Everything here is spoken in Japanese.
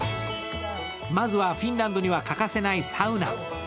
まずはフィンランドには欠かせないサウナ。